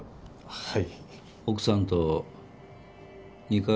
はい。